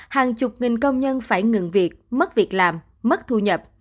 hàng chục nghìn công nhân phải ngừng việc mất việc làm mất thu nhập